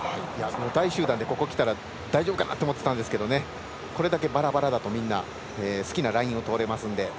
大集団で、ここ来たら大丈夫か？と思ってたんですけどこれだけばらばらだと、みんな好きなラインを通れますので。